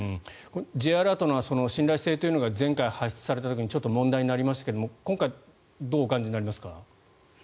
Ｊアラートの信頼性というのが前回発出された時にちょっと問題になりましたが今回、どうお感じになりますか。